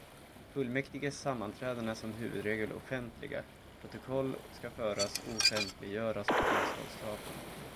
Fullmäktiges sammanträden är som huvudregel offentliga, protokoll ska föras och offentliggöras på anslagstavlan.